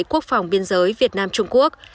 quốc phòng biên giới việt nam trung quốc